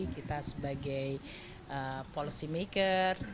kita sebagai policy maker